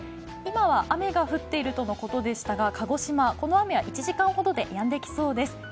今は雨が降っているとのことでしたが鹿児島、この雨は１時間ほどでやんでいきそうです。